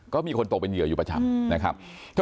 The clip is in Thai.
ก็มีคนตกเป็นเหยื่ออยู่ประจำนะครับ